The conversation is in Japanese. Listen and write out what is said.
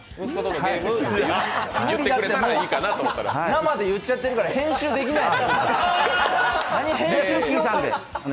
生で言っちゃってるから編集できない。